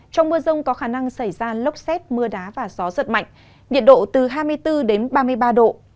trong mưa rông có khả năng xảy ra lốc xét mưa đá và gió giật mạnh nhiệt độ từ hai mươi bốn đến ba mươi ba độ